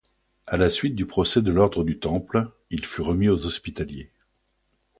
À la suite du procès de l'ordre du Temple, il fut remis aux Hospitaliers.